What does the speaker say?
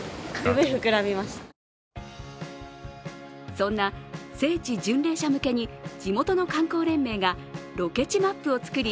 そんな聖地巡礼者向けに地元の観光連盟がロケ地マップを作り